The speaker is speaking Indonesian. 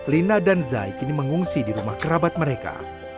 lina dan zai kini mengungsi di rumah kerabat mereka